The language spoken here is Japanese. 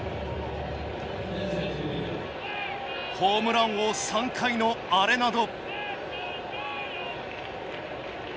ホームラン王３回のアレナド。